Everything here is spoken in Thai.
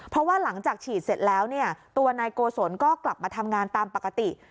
เพราะว่าหลังจากฉีดเสร็จแล้วเนี่ยตัวนายโกศลก็กลับมาทำงานตามปกติ